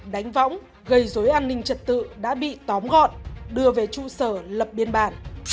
đánh võng gây dối an ninh trật tự đã bị tóm gọn đưa về trụ sở lập biên bản